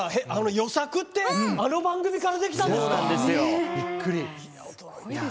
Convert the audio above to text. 「与作」って、あの番組からできたんですか？